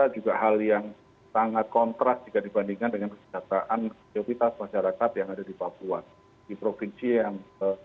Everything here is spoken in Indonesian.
juga hal yang sangat kontras jika dibandingkan dengan kesejahteraan prioritas masyarakat yang ada di papua di provinsi yang